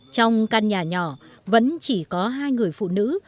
trong căn nhà nhỏ vẫn chỉ có hai người phụ nữ